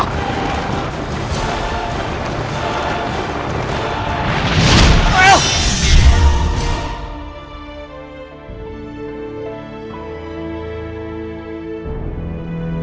dia berada di luar sana